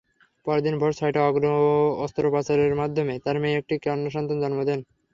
পরদিন ভোর ছয়টায় অস্ত্রোপচারের মাধ্যমে তাঁর মেয়ে একটি কন্যাসন্তান জন্ম দেন।